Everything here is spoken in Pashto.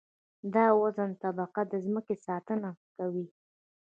د اوزون طبقه د ځمکې ساتنه کوي